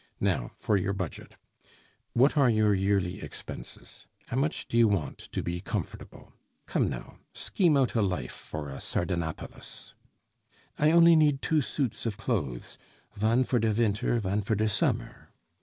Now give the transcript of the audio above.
Now for your budget. What are your yearly expenses? How much do you want to be comfortable? Come, now, scheme out a life for a Sardanapalus " "I only need two suits of clothes, von for der vinter, von for der sommer."